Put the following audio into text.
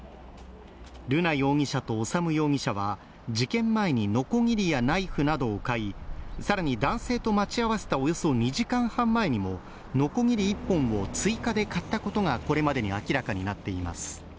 瑠奈容疑者と修容疑者は事件前にのこぎりやナイフなどを買い更に男性と待ち合わせたおよそ２時間半前にも、のこぎり１本を追加で買ったことがこれまでに明らかになっています。